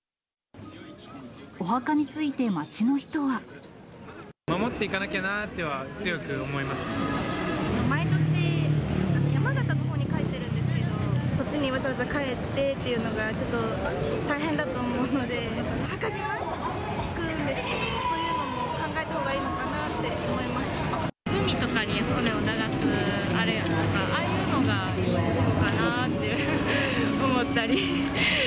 お墓について、街の人は。守っていかなきゃなとは強く毎年、山形のほうに帰ってるんですけど、そっちにわざわざ帰っててっていうのが、ちょっと大変だと思うので、墓じまい、聞くんですけど、そういうのも考えたほうがいいのかなって思いま海とかに骨を流す、あれとか、ああいうのがいいのかなって思ったり。